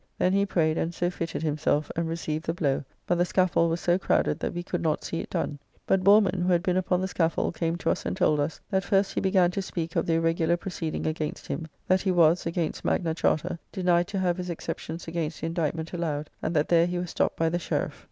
Then he prayed, and so fitted himself, and received the blow; but the scaffold was so crowded that we could not see it done. But Boreman, who had been upon the scaffold, came to us and told us, that first he began to speak of the irregular proceeding against him; that he was, against Magna Charta, denied to have his exceptions against the indictment allowed; and that there he was stopped by the Sheriff.